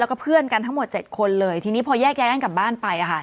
แล้วก็เพื่อนกันทั้งหมดเจ็ดคนเลยทีนี้พอแยกย้ายกันกลับบ้านไปอ่ะค่ะ